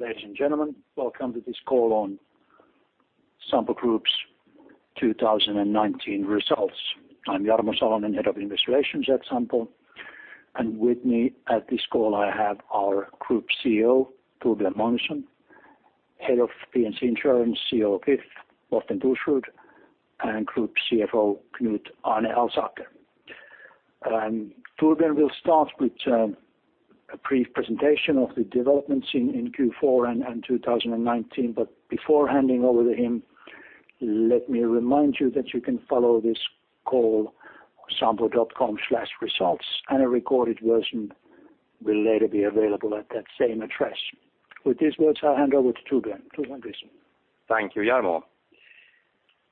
Ladies and gentlemen, welcome to this call on Sampo Group's 2019 results. I'm Jarmo Salonen, Head of Investor Relations at Sampo, and with me at this call, I have our Group CEO, Torbjörn Magnusson, Head of P&C Insurance, CEO of If, Morten Thorsrud, and Group CFO, Knut Arne Alsaker. Torbjörn will start with a brief presentation of the developments in Q4 and 2019. Before handing over to him, let me remind you that you can follow this call, sampo.com/results, and a recorded version will later be available at that same address. With these words, I'll hand over to Torbjörn. Torbjörn, please. Thank you, Jarmo.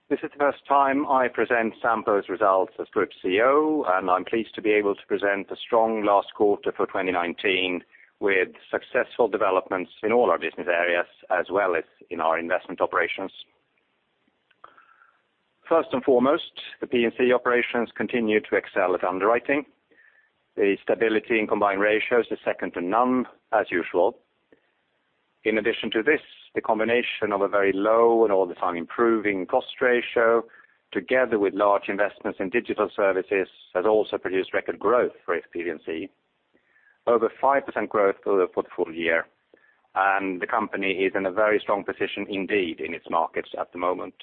This is the first time I present Sampo's results as Group CEO, and I'm pleased to be able to present a strong last quarter for 2019 with successful developments in all our business areas as well as in our investment operations. First and foremost, the P&C operations continue to excel at underwriting. The stability in combined ratio is second to none, as usual. In addition to this, the combination of a very low and all the time improving cost ratio, together with large investments in digital services, has also produced record growth for If P&C. Over 5% growth over the full year, and the company is in a very strong position indeed in its markets at the moment.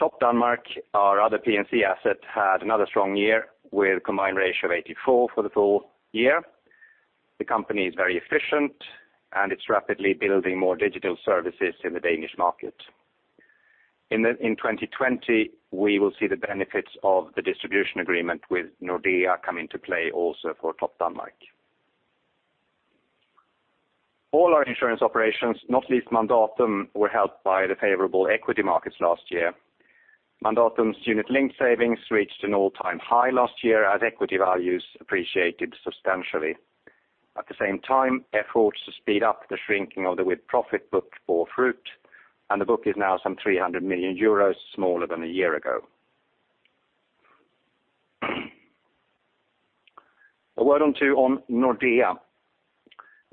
Topdanmark, our other P&C asset, had another strong year with a combined ratio of 84% for the full year. The company is very efficient, and it's rapidly building more digital services in the Danish market. In 2020, we will see the benefits of the distribution agreement with Nordea come into play also for Topdanmark. All our insurance operations, not least Mandatum, were helped by the favorable equity markets last year. Mandatum's unit-linked savings reached an all-time high last year as equity values appreciated substantially. At the same time, efforts to speed up the shrinking of the with-profit book bore fruit, and the book is now some 300 million euros smaller than a year ago. A word or two on Nordea.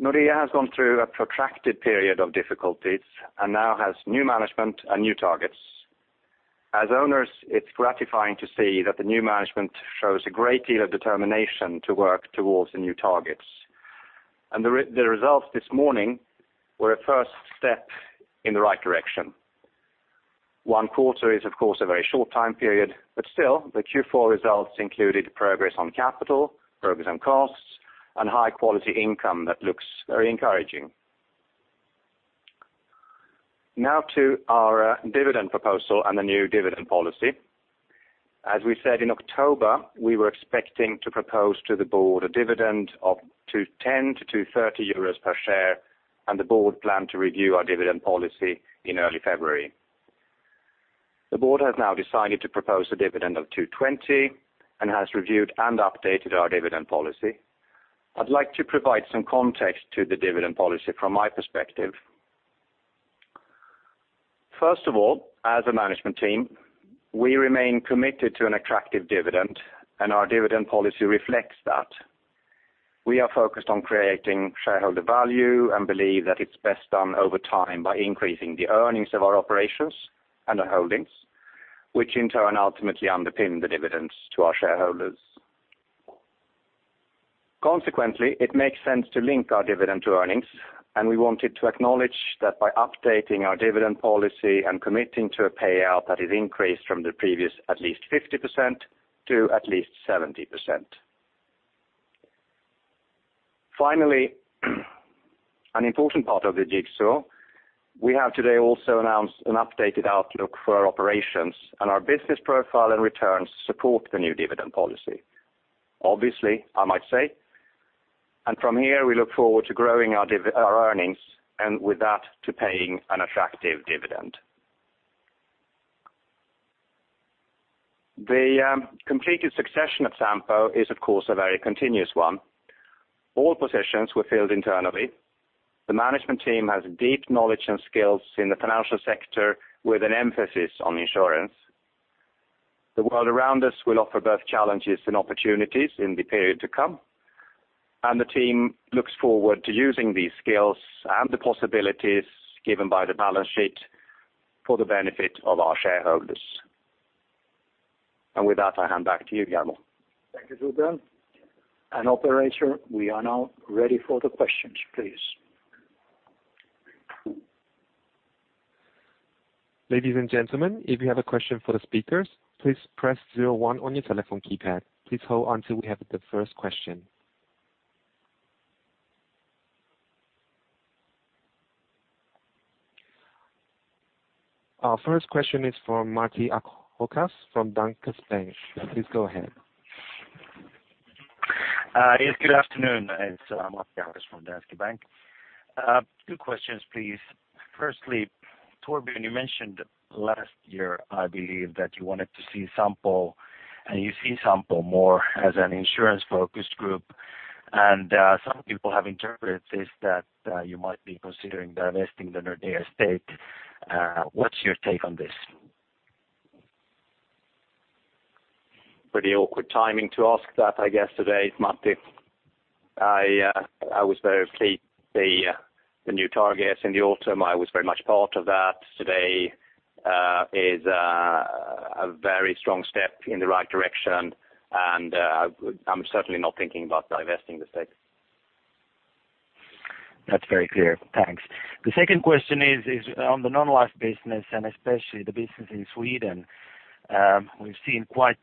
Nordea has gone through a protracted period of difficulties and now has new management and new targets. As owners, it's gratifying to see that the new management shows a great deal of determination to work towards the new targets. The results this morning were a first step in the right direction. One quarter is, of course, a very short time period, but still, the Q4 results included progress on capital, progress on costs, and high-quality income that looks very encouraging. Now to our dividend proposal and the new dividend policy. As we said in October, we were expecting to propose to the Board a dividend of 2.10- 2.30 euros per share, and the Board planned to review our dividend policy in early February. The Board has now decided to propose a dividend of 2.20 and has reviewed and updated our dividend policy. I'd like to provide some context to the dividend policy from my perspective. First of all, as a management team, we remain committed to an attractive dividend, and our dividend policy reflects that. We are focused on creating shareholder value and believe that it's best done over time by increasing the earnings of our operations and our holdings, which in turn ultimately underpin the dividends to our shareholders. Consequently, it makes sense to link our dividend to earnings, and we wanted to acknowledge that by updating our dividend policy and committing to a payout that is increased from the previous at least 50% to at least 70%. Finally, an important part of the jigsaw, we have today also announced an updated outlook for our operations and our business profile and returns support the new dividend policy. Obviously, I might say, from here, we look forward to growing our earnings, and with that, to paying an attractive dividend. The completed succession of Sampo is, of course, a very continuous one. All positions were filled internally. The management team has deep knowledge and skills in the financial sector with an emphasis on insurance. The world around us will offer both challenges and opportunities in the period to come, and the team looks forward to using these skills and the possibilities given by the balance sheet for the benefit of our shareholders. With that, I hand back to you, Jarmo. Thank you, Torbjörn. Operator, we are now ready for the questions, please. Ladies and gentlemen, if you have a question for the speakers, please press zero one on your telephone keypad. Please hold until we have the first question. Our first question is from Matti Ahokas from Danske Bank. Please go ahead. Yes, good afternoon. It's Matti Ahokas from Danske Bank. Two questions, please. Firstly, Torbjörn, you mentioned last year, I believe, that you wanted to see Sampo and you see Sampo more as an insurance-focused group. Some people have interpreted this that you might be considering divesting the Nordea stake. What's your take on this? Pretty awkward timing to ask that, I guess today, Matti. I was very pleased. The new targets in the autumn, I was very much part of that. Today is a very strong step in the right direction, and I'm certainly not thinking about divesting the stake. That's very clear. Thanks. The second question is on the non-life business, and especially the business in Sweden. We've seen quite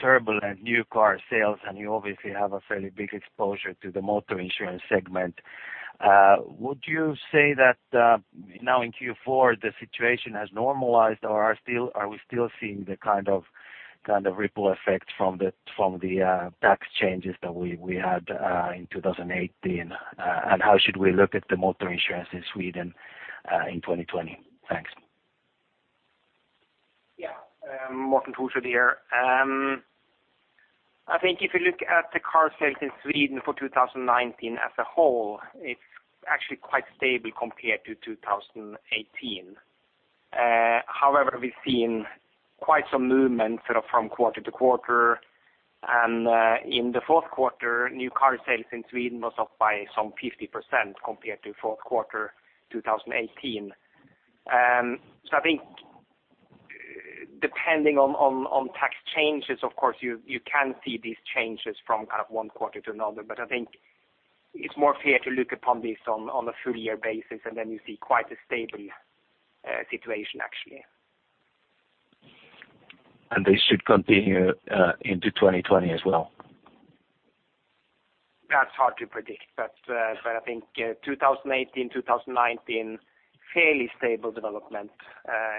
terrible new car sales, and you obviously have a fairly big exposure to the motor insurance segment. Would you say that now in Q4, the situation has normalized, or are we still seeing the ripple effect from the tax changes that we had in 2018? How should we look at the motor insurance in Sweden in 2020? Thanks. Yeah. Morten Thorsrud here. I think if you look at the car sales in Sweden for 2019 as a whole, it's actually quite stable compared to 2018. However, we've seen quite some movement from quarter to quarter. In the fourth quarter, new car sales in Sweden was up by some 50% compared to fourth quarter 2018. I think depending on tax changes, of course, you can see these changes from one quarter to another. I think it's more fair to look upon this on a full year basis, and then you see quite a stable situation, actually. This should continue into 2020 as well? That's hard to predict. I think 2018, 2019, fairly stable development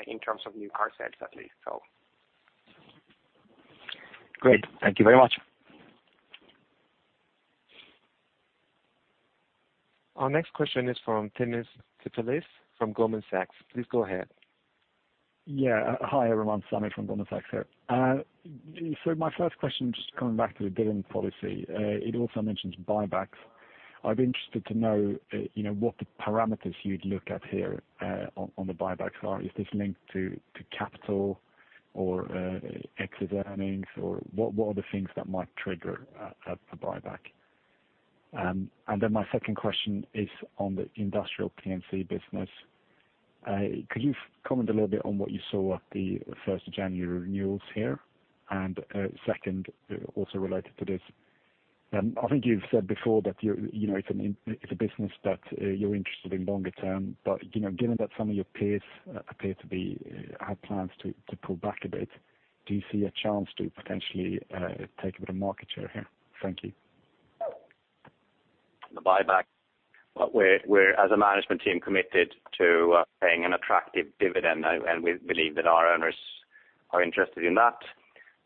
in terms of new car sales, at least so. Great. Thank you very much. Our next question is from Sami Taipalus from Goldman Sachs. Please go ahead. Yeah. Hi, everyone. Sami from Goldman Sachs here. My first question, just coming back to the dividend policy. It also mentions buybacks. I'd be interested to know what the parameters you'd look at here on the buybacks are. Is this linked to capital or excess earnings, or what are the things that might trigger a buyback? My second question is on the Industrial P&C business. Could you comment a little bit on what you saw at the January 1st renewals here? Second, also related to this, I think you've said before that it's a business that you're interested in longer term. Given that some of your peers appear to have plans to pull back a bit, do you see a chance to potentially take a bit of market share here? Thank you. The buyback. We're, as a management team, committed to paying an attractive dividend, and we believe that our owners are interested in that.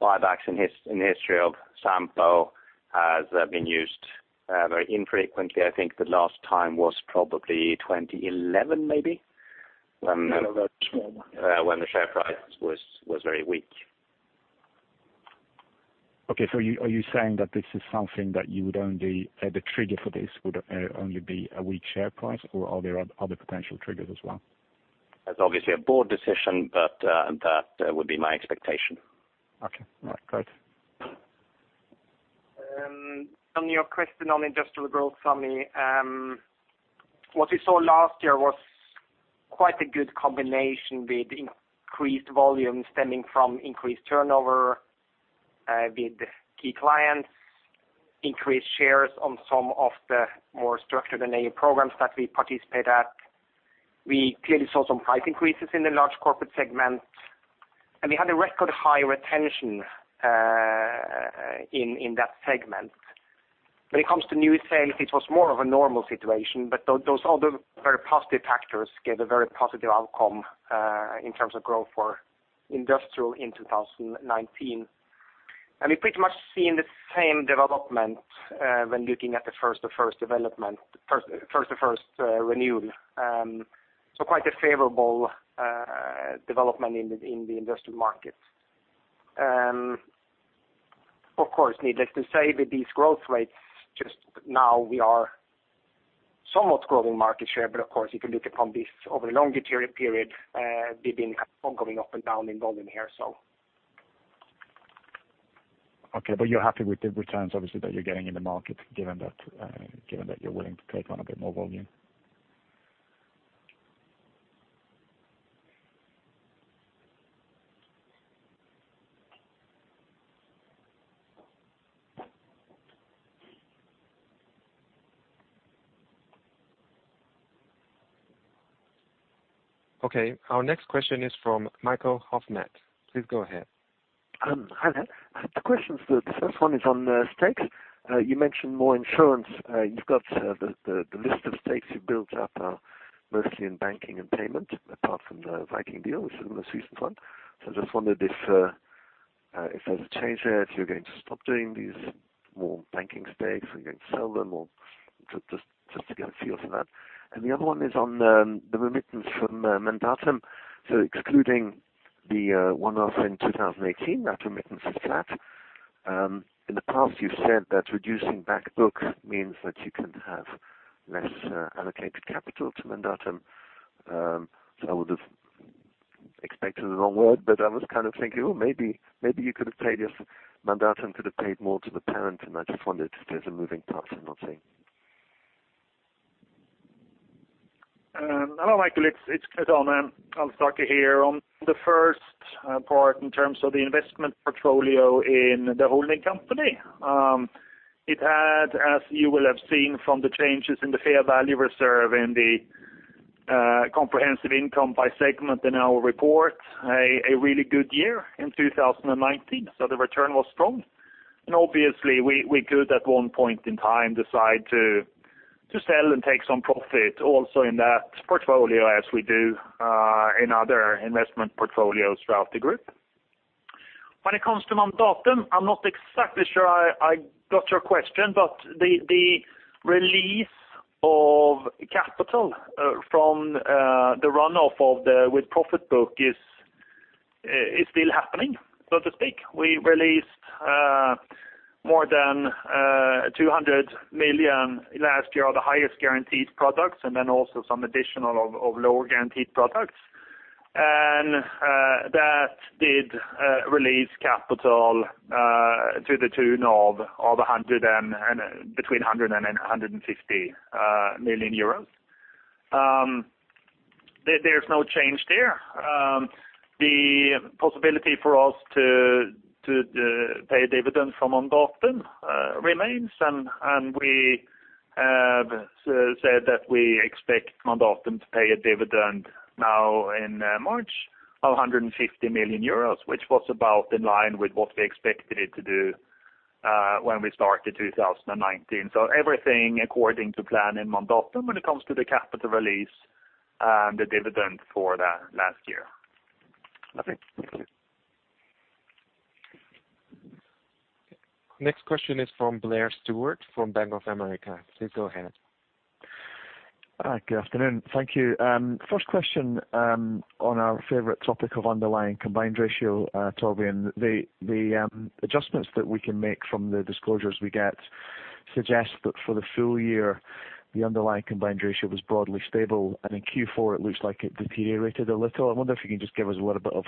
Buybacks in the history of Sampo has been used very infrequently. I think the last time was probably 2011. No, that was 2012. when the share price was very weak. Okay, are you saying that this is something that the trigger for this would only be a weak share price, or are there other potential triggers as well? That's obviously a Board decision, but that would be my expectation. Okay. All right, great. On your question on industrial growth, Sami. What we saw last year was quite a good combination with increased volume stemming from increased turnover with key clients, increased shares on some of the more structured enabling programs that we participate at. We clearly saw some price increases in the large corporate segment, and we had a record high retention in that segment. When it comes to new sales, it was more of a normal situation, but those other very positive factors gave a very positive outcome in terms of growth for industrial in 2019. We've pretty much seen the same development when looking at the first of first renewed. Quite a favorable development in the industrial market. Of course, needless to say, with these growth rates, just now we are somewhat growing market share, but of course, you can look upon this over a longer period, we've been going up and down in volume here. Okay, you're happy with the returns, obviously, that you're getting in the market, given that you're willing to take on a bit more volume. Okay, our next question is from Michael Hoffman. Please go ahead. Hi there. Two questions. The first one is on stakes. You mentioned motor insurance. You've got the list of stakes you built up are mostly in banking and payment, apart from the Viking deal, which is the most recent one. I just wondered if there's a change there, if you're going to stop doing these more banking stakes, if you're going to sell them or just to get a feel for that. The other one is on the remittance from Mandatum. Excluding the one-off in 2018, that remittance is flat. In the past, you've said that reducing back book means that you can have less allocated capital to Mandatum. I would have expect is the wrong word, but I was thinking maybe you could have paid if Mandatum could have paid more to the parent, and I just wondered if there's a moving part I'm not seeing. Hello, Michael, it's Arne Alsaker here. I'll start here on the first part in terms of the investment portfolio in the holding company. It had, as you will have seen from the changes in the fair value reserve in the comprehensive income by segment in our report, a really good year in 2019. The return was strong. Obviously we could, at one point in time, decide to sell and take some profit also in that portfolio as we do in other investment portfolios throughout the group. When it comes to Mandatum, I'm not exactly sure I got your question, but the release of capital from the runoff of the with-profit book is still happening, so to speak. We released more than 200 million last year are the highest guaranteed products, also some additional of lower guaranteed products. That did release capital to the tune of between 100 million and 150 million euros. There's no change there. The possibility for us to pay a dividend from Mandatum remains. We have said that we expect Mandatum to pay a dividend now in March of 150 million euros, which was about in line with what we expected it to do when we started 2019. Everything according to plan in Mandatum when it comes to the capital release and the dividend for that last year. Okay. Thank you. Next question is from Blair Stewart of Bank of America. Please go ahead. Good afternoon. Thank you. First question on our favorite topic of underlying combined ratio, Torbjörn. The adjustments that we can make from the disclosures we get suggest that for the full year, the underlying combined ratio was broadly stable, and in Q4 it looks like it deteriorated a little. I wonder if you can just give us a little bit of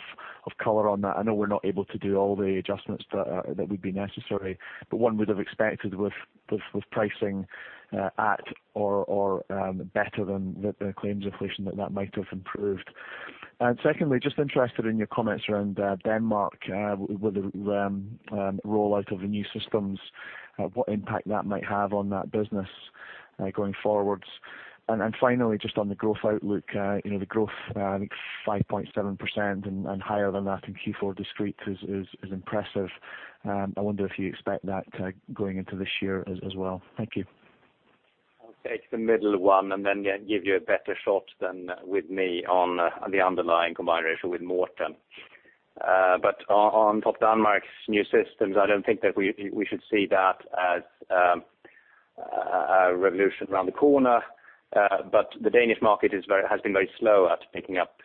color on that. I know we're not able to do all the adjustments that would be necessary, but one would have expected with pricing at or better than the claims inflation that that might have improved. Secondly, just interested in your comments around Denmark, with the rollout of the new systems, what impact that might have on that business going forwards. Finally, just on the growth outlook, the growth, I think 5.7% and higher than that in Q4 discrete is impressive. I wonder if you expect that going into this year as well. Thank you. I'll take the middle one and then give you a better shot than with me on the underlying combined ratio with Morten. On Topdanmark's new systems, I don't think that we should see that as a revolution around the corner. The Danish market has been very slow at picking up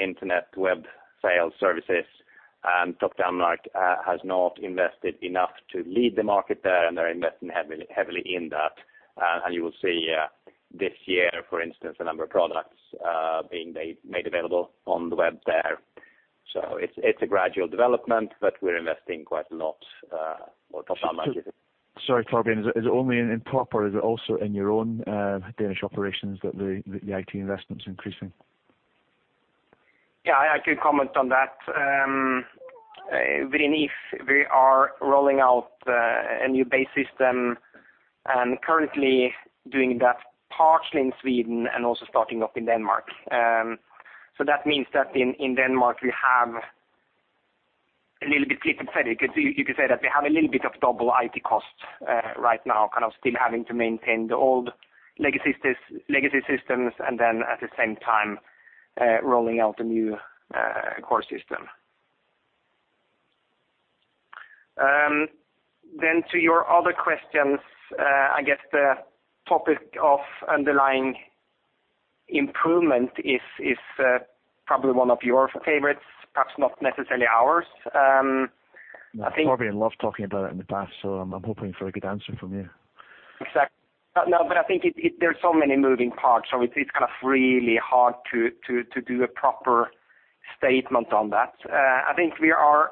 internet web sale services, and Topdanmark has not invested enough to lead the market there, and they're investing heavily in that. You will see this year, for instance, a number of products being made available on the web there. It's a gradual development, but we're investing quite a lot. Well, Topdanmark is- Sorry, Torbjörn. Is it only in Top or is it also in your own Danish operations that the IT investment is increasing? Yeah, I can comment on that. Within If, we are rolling out a new base system and currently doing that partially in Sweden and also starting up in Denmark. That means that in Denmark, you could say that we have a little bit of double IT costs right now, still having to maintain the old legacy systems and then at the same time, rolling out the new core system. To your other questions, I guess the topic of underlying improvement is probably one of your favorites, perhaps not necessarily ours. Torbjörn loved talking about it in the past, so I'm hoping for a good answer from you. Exactly. I think there's so many moving parts, so it's really hard to do a proper statement on that. I think we are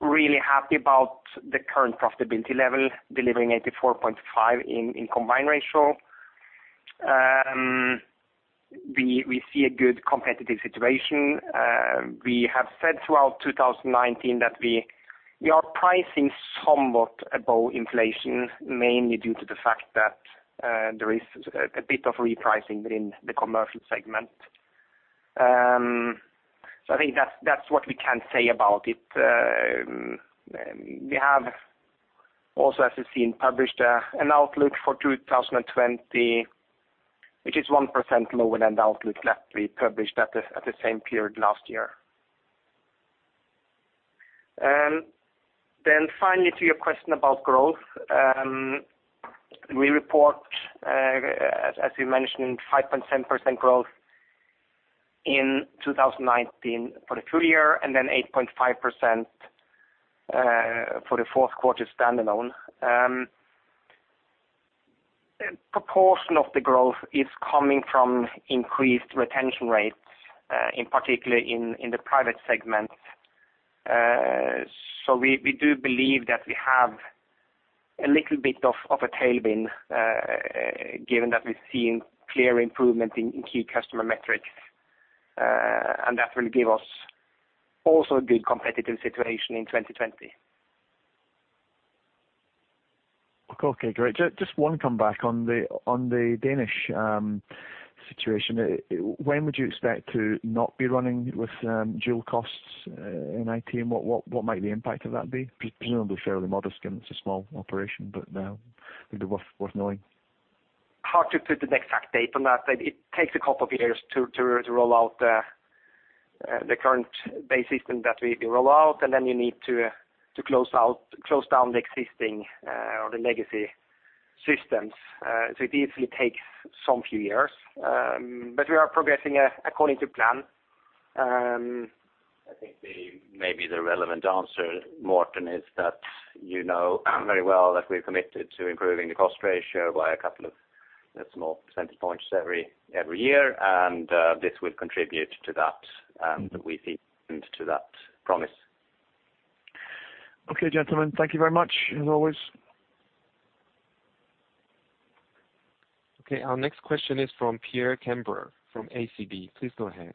really happy about the current profitability level, delivering 84.5 in combined ratio. We see a good competitive situation. We have said throughout 2019 that we are pricing somewhat above inflation, mainly due to the fact that there is a bit of repricing within the commercial segment. I think that's what we can say about it. We have also, as you've seen, published an outlook for 2020, which is 1% lower than the outlook that we published at the same period last year. Finally, to your question about growth. We report, as you mentioned, 5.7% growth in 2019 for the full year, and then 8.5% for the fourth quarter standalone. A portion of the growth is coming from increased retention rates, in particular in the private segment. We do believe that we have a little bit of a tailwind, given that we're seeing clear improvement in key customer metrics, and that will give us also a good competitive situation in 2020. Okay, great. Just one comeback on the Danish situation. When would you expect to not be running with dual costs in IT, and what might the impact of that be? Presumably fairly modest, given it's a small operation, but it'd be worth knowing. Hard to put an exact date on that. It takes a couple of years to roll out the current base system that we roll out, and then you need to close down the existing or the legacy systems. It easily takes some few years, but we are progressing according to plan. I think maybe the relevant answer, Morten, is that you know very well that we're committed to improving the cost ratio by a couple of small percentage points every year, and this will contribute to that, and that we stick to that promise. Okay, gentlemen. Thank you very much as always. Okay, our next question is from Per Grønborg from SEB. Please go ahead.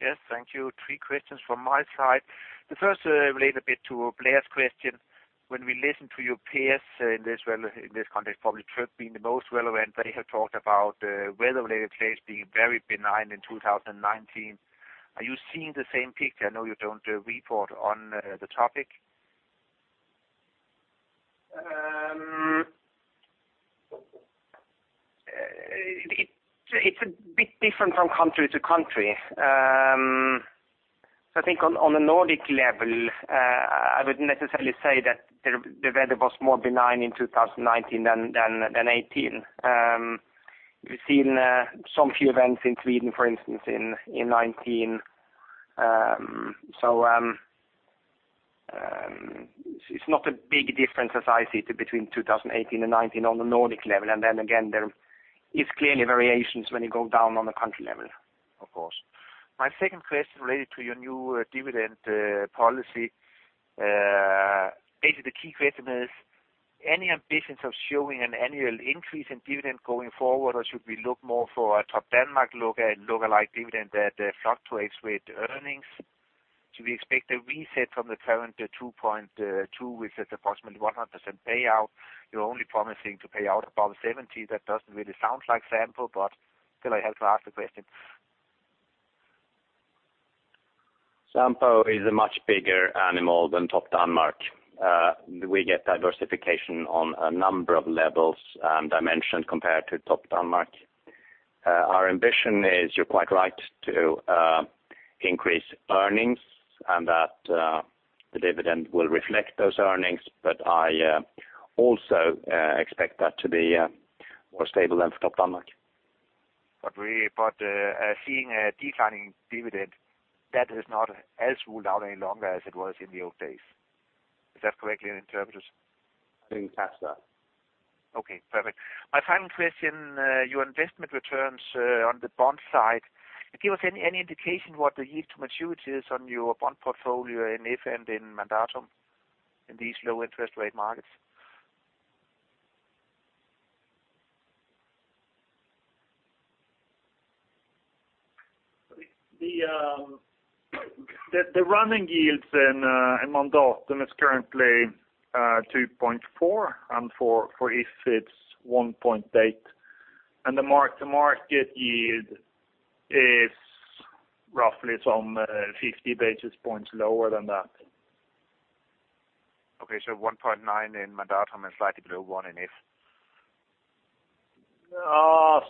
Yes, thank you. Three questions from my side. The first relates a bit to Blair's question. When we listen to your peers in this context, probably Tryg being the most relevant, they have talked about weather-related claims being very benign in 2019. Are you seeing the same picture? I know you don't report on the topic. It's a bit different from country to country. I think on the Nordic level, I wouldn't necessarily say that the weather was more benign in 2019 than 2018. We've seen some few events in Sweden, for instance, in 2019. It's not a big difference as I see it between 2018 and 2019 on the Nordic level. There is clearly variations when you go down on the country level, of course. My second question related to your new dividend policy. Basically, the key question is, any ambitions of showing an annual increase in dividend going forward? Should we look more for a Topdanmark lookalike dividend that fluctuates with earnings? Should we expect a reset from the current 2.20, which is approximately 100% payout? You're only promising to pay out above 70%. That doesn't really sound like Sampo, but still, I have to ask the question. Sampo is a much bigger animal than Topdanmark. We get diversification on a number of levels, dimensions compared to Topdanmark. Our ambition is, you're quite right, to increase earnings and that the dividend will reflect those earnings. I also expect that to be more stable than for Topdanmark. Seeing a declining dividend, that is not as ruled out any longer as it was in the old days. Is that correctly interpreted? I think that's that. Okay, perfect. My final question, your investment returns on the bond side, can you give us any indication what the yield to maturity is on your bond portfolio in If and in Mandatum in these low-interest rate markets? The running yields in Mandatum is currently 2.4%, and for If it's 1.8%. The market yield is roughly some 50 basis points lower than that. Okay, 1.9 in Mandatum and slightly below one in If.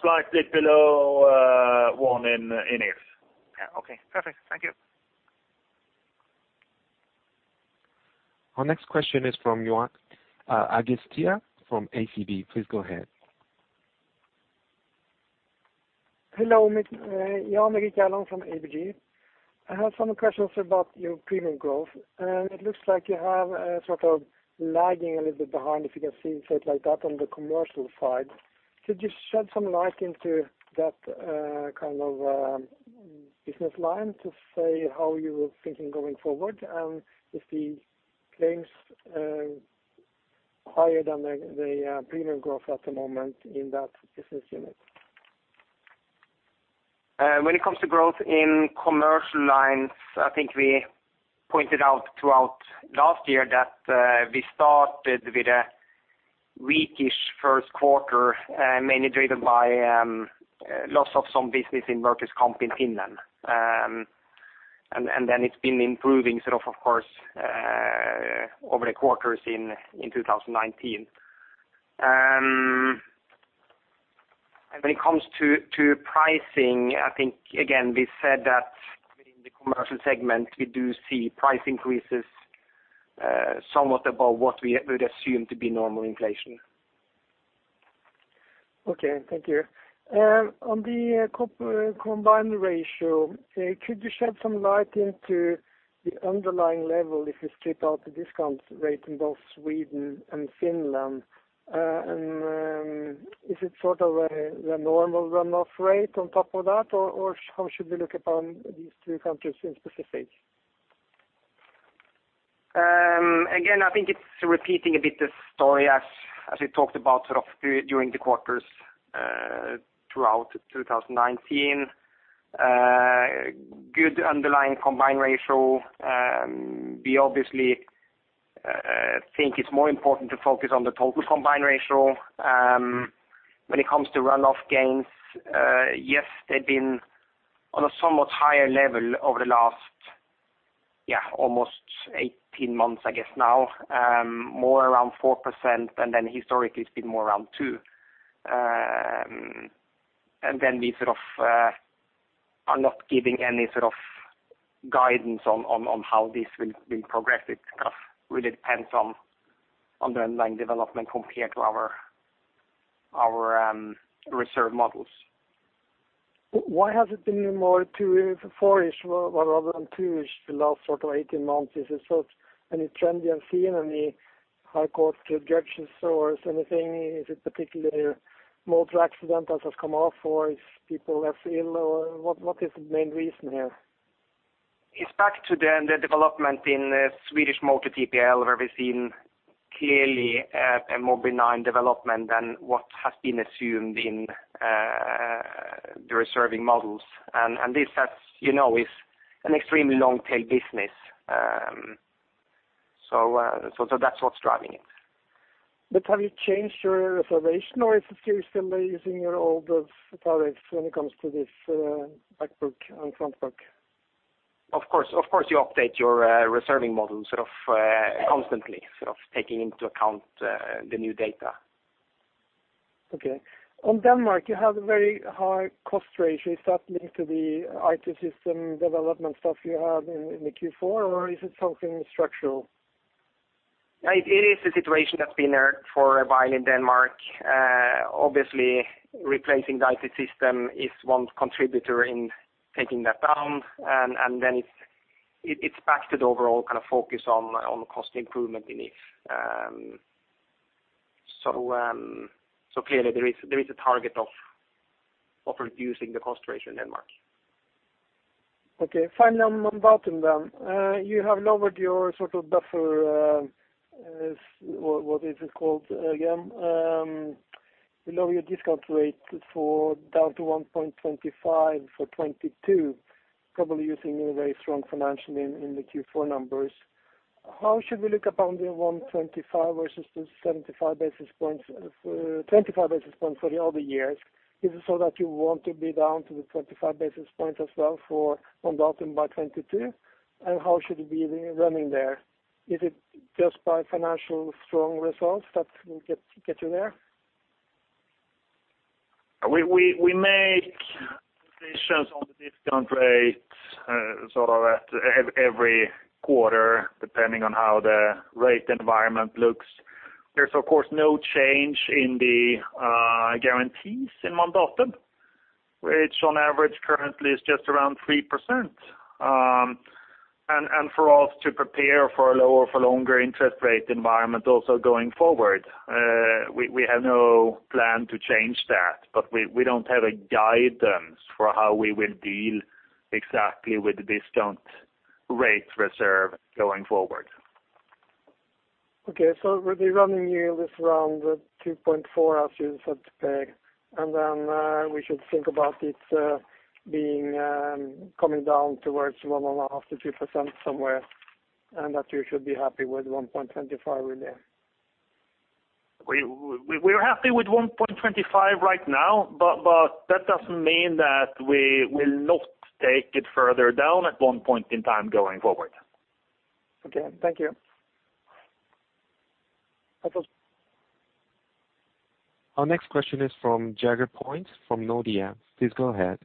Slightly below one in If. Yeah. Okay, perfect. Thank you. Our next question is from Jan Erik Gjerland from ABG. Please go ahead. Hello, it's Jan Erik Gjerland from ABG. I have some questions about your premium growth. It looks like you have sort of lagging a little bit behind, if you can see it like that, on the commercial side. Could you shed some light into that kind of business line to say how you were thinking going forward, and if the claims higher than the premium growth at the moment in that business unit? When it comes to growth in commercial lines, I think we pointed out throughout last year that we started with a weak-ish first quarter, mainly driven by loss of some business in Vakuutuskampen in Finland. Then it's been improving sort of course, over the quarters in 2019. When it comes to pricing, I think, again, we said that within the commercial segment, we do see price increases somewhat above what we would assume to be normal inflation. Okay. Thank you. On the combined ratio, could you shed some light into the underlying level if you strip out the discount rate in both Sweden and Finland? Is it sort of a normal run-off rate on top of that, or how should we look upon these two countries in specific? I think it's repeating a bit the story as we talked about sort of during the quarters throughout 2019. Good underlying combined ratio. We obviously think it's more important to focus on the total combined ratio. When it comes to run-off gains, yes, they've been on a somewhat higher level over the last, almost 18 months I guess now. More around 4%, then historically it's been more around two. Then we sort of are not giving any sort of guidance on how this will be progressive. It kind of really depends on the underlying development compared to our reserve models. Why has it been more four-ish rather than two-ish the last 18 months? Is it any trend you're seeing, any high court objections or anything? Is it particular motor accident that has come off, or if people are ill, or what is the main reason here? It's back to the development in Swedish motor TPL, where we've seen clearly a more benign development than what has been assumed in the reserving models. This as you know is an extremely long-tail business. That's what's driving it. Have you changed your reservation or if you're still using your old tariffs when it comes to this back book and front book? Of course. You update your reserving model constantly, sort of taking into account the new data. On Denmark, you have a very high cost ratio. Is that linked to the IT system development stuff you have in the Q4, or is it something structural? It is a situation that's been there for a while in Denmark. Obviously, replacing the IT system is one contributor in taking that down, and then it's back to the overall kind of focus on cost improvement in it. Clearly there is a target of reducing the cost ratio in Denmark. Okay. Finally, on Baltikum. You have lowered your sort of buffer, what is it called again? You lower your discount rate for down to 1.25 for 2022, probably using your very strong financially in the Q4 numbers. How should we look upon the 1.25 versus the 25 basis point for the other years? Is it so that you want to be down to the 25 basis point as well for, on Baltikum by 2022? How should it be running there? Is it just by financial strong results that will get you there? We make decisions on the discount rates sort of at every quarter, depending on how the rate environment looks. There's of course, no change in the guarantees in Baltikum, which on average currently is just around 3%. For us to prepare for a lower, for longer interest rate environment also going forward, we have no plan to change that. We don't have a guidance for how we will deal exactly with the discount rate reserve going forward. Okay. The running yield is around 2.4 as you said, to Per. We should think about it being, coming down towards 1.5%-2% somewhere, and that you should be happy with 1.25 in there. We're happy with 1.25 right now, but that doesn't mean that we will not take it further down at one point in time going forward. Okay. Thank you. Our next question is from Jakob Brink from Nordea. Please go ahead.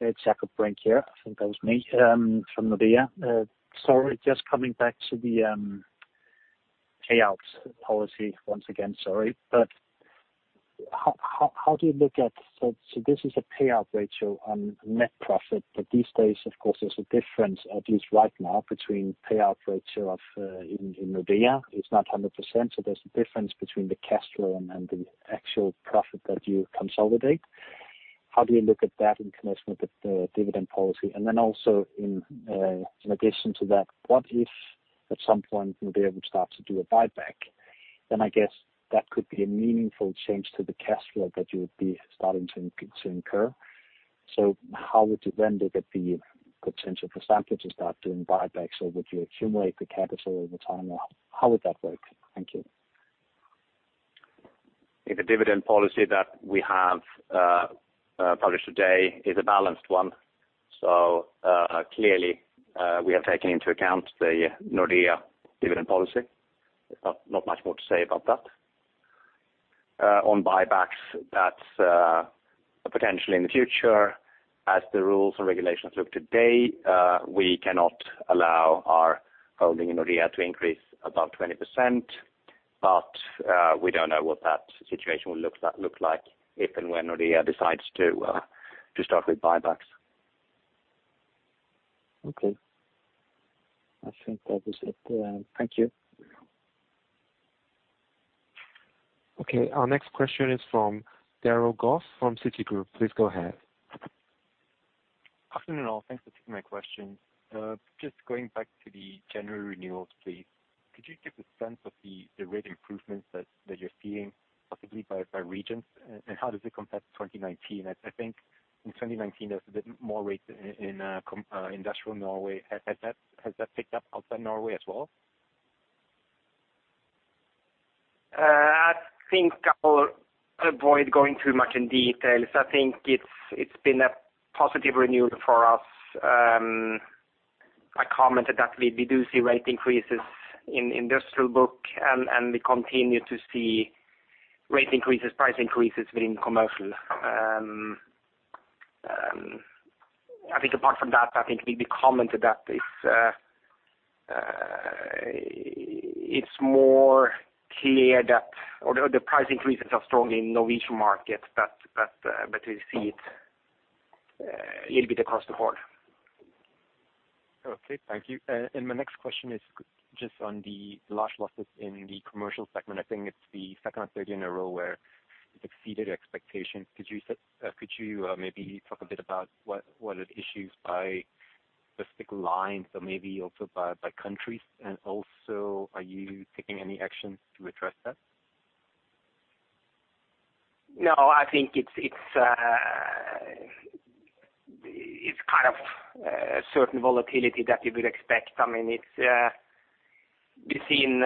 It's Jakob Brink here. I think that was me, from Nordea. Sorry, just coming back to the payouts policy once again, sorry. How do you look at, this is a payout ratio on net profit, but these days, of course, there's a difference at least right now between payout ratio of, in Nordea it's not 100%, there's a difference between the cash flow and the actual profit that you consolidate. How do you look at that in connection with the dividend policy? Also in addition to that, what if at some point Nordea would start to do a buyback? I guess that could be a meaningful change to the cash flow that you would be starting to incur. How would you then look at the potential for Sampo to start doing buybacks, or would you accumulate the capital over time, or how would that work? Thank you. In the dividend policy that we have published today is a balanced one. Clearly, we have taken into account the Nordea dividend policy. Not much more to say about that. On buybacks. Potentially in the future, as the rules and regulations look today, we cannot allow our holding in Nordea to increase above 20%, but we don't know what that situation will look like if and when Nordea decides to start with buybacks. Okay. I think that is it. Thank you. Okay, our next question is from Derald Goh from Citigroup. Please go ahead. Good afternoon, all. Thanks for taking my question. Just going back to the January renewals, please. Could you give a sense of the rate improvements that you're seeing possibly by regions, and how does it compare to 2019? I think in 2019 there's a bit more rates in industrial Norway. Has that picked up outside Norway as well? I think I will avoid going too much in details. I think it's been a positive renewal for us. I commented that we do see rate increases in industrial book, and we continue to see rate increases, price increases within commercial. I think apart from that, I think I commented that it's more clear that the price increases are strong in Norwegian markets, but we see it a little bit across the board. Okay, thank you. My next question is just on the large losses in the commercial segment. I think it's the second or third in a row where it's exceeded expectations. Could you maybe talk a bit about what are the issues by specific lines or maybe also by countries? Also, are you taking any actions to address that? No, I think it's certain volatility that you would expect. We've seen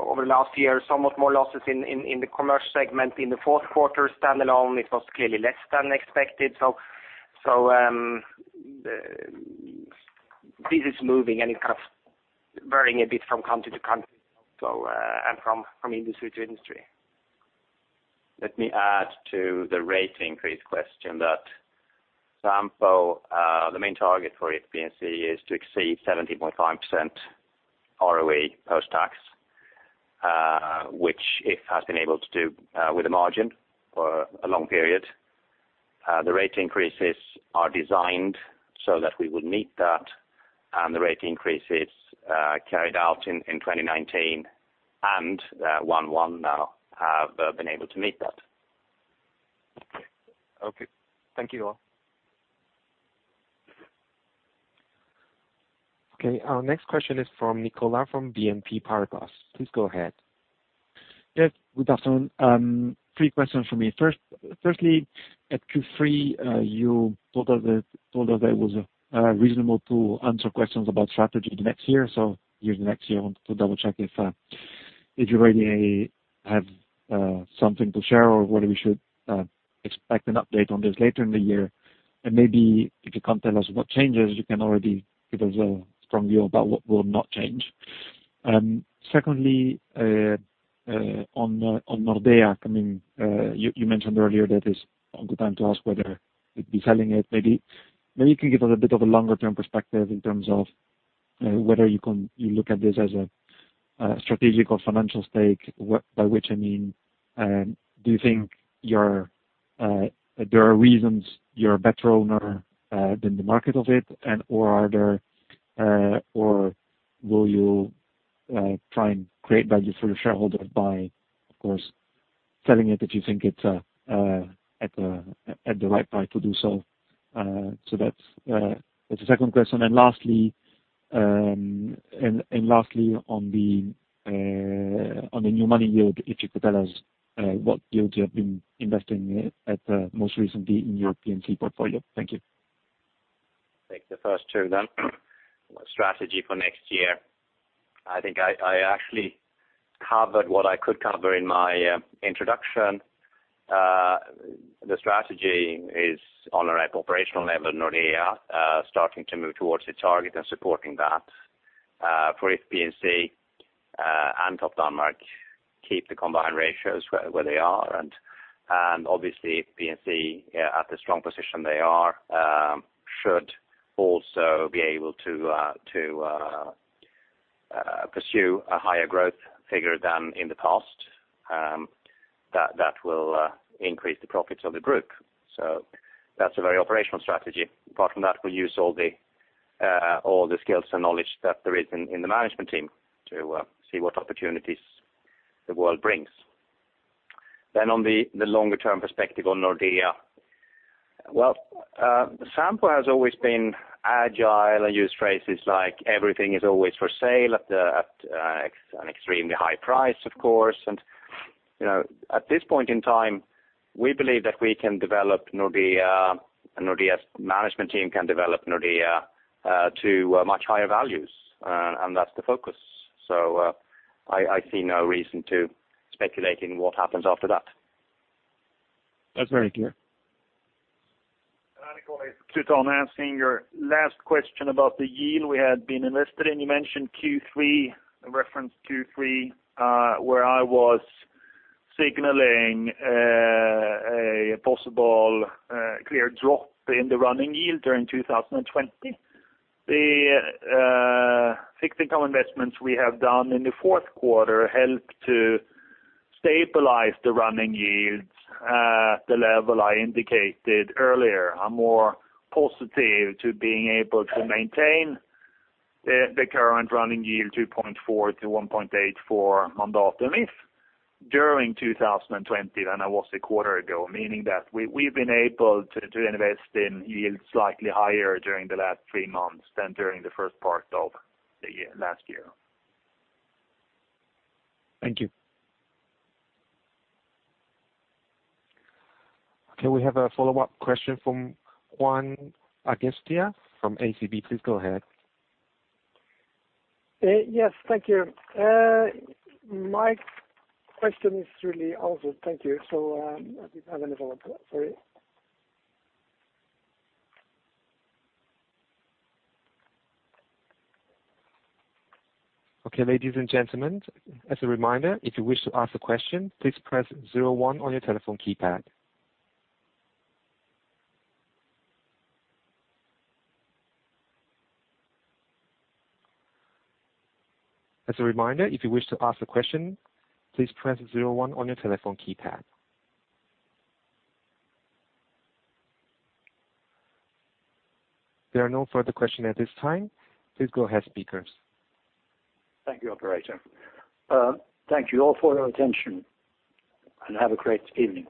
over the last year, somewhat more losses in the commercial segment. In the fourth quarter standalone, it was clearly less than expected. This is moving, and it's varying a bit from country to country also, and from industry to industry. Let me add to the rate increase question that Sampo, the main target for If P&C is to exceed 70.5% ROE post-tax, which it has been able to do with a margin for a long period. The rate increases are designed so that we would meet that, and the rate increases carried out in 2019 and one now have been able to meet that. Okay. Thank you all. Okay, our next question is from Niccolò from BNP Paribas. Please go ahead. Yes, good afternoon. Three questions from me. Firstly, at Q3, you told us that it was reasonable to answer questions about strategy the next year. Here's the next year. I want to double-check if you already have something to share or whether we should expect an update on this later in the year. Maybe if you can't tell us what changes, you can already give us a strong view about what will not change. Secondly, on Nordea, you mentioned earlier that it's not a good time to ask whether you'd be selling it. Maybe you can give us a bit of a longer-term perspective in terms of whether you look at this as a strategic or financial stake, by which I mean, do you think there are reasons you're a better owner than the market of it? Will you try and create value for the shareholders by, of course, selling it if you think it's at the right price to do so? That's the second question. Lastly, on the new money yield, if you could tell us what yields you have been investing at most recently in your P&C portfolio. Thank you. I'll take the first two then. Strategy for next year. I think I actually covered what I could cover in my introduction. The strategy is on an operational level, Nordea starting to move towards the target and supporting that. For If P&C and Topdanmark keep the combined ratios where they are, and obviously, P&C at the strong position they are should also be able to pursue a higher growth figure than in the past. That will increase the profits of the group. That's a very operational strategy. Apart from that, we use all the skills and knowledge that there is in the management team to see what opportunities the world brings. On the longer-term perspective on Nordea. Well, Sampo has always been agile. I use phrases like everything is always for sale at an extremely high price, of course. At this point in time, we believe that we can develop Nordea, and Nordea's management team can develop Nordea to much higher values. That's the focus. I see no reason to speculating what happens after that. That's very clear. Niccolò, it's Morten Thorsrud answering your last question about the yield we had been invested in. You mentioned Q3, referenced Q3, where I was signaling a possible clear drop in the running yield during 2020. The fixed income investments we have done in the fourth quarter helped to stabilize the running yields at the level I indicated earlier. I'm more positive to being able to maintain the current running yield, 2.4% for Mandatum and 1.8% for If during 2020 than I was a quarter ago, meaning that we've been able to invest in yields slightly higher during the last three months than during the first part of the last year. Thank you. Okay, we have a follow-up question from Jan Erik Gjerland from ABG. Please go ahead. Yes, thank you. My question is really answered. Thank you. I don't have any follow-up. Sorry. Okay, ladies and gentlemen, as a reminder, if you wish to ask a question, please press zero one on your telephone keypad. As a reminder, if you wish to ask a question, please press zero one on your telephone keypad. There are no further questions at this time. Please go ahead, speakers. Thank you, operator. Thank you all for your attention, and have a great evening.